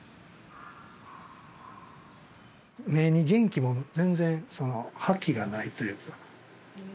目に元気も全然覇気がないというか。